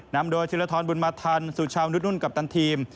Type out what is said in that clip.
นำโดยทีละท้อนบุญมาทันสู่ชาวนุ่นนุ่นกับทั้นทีม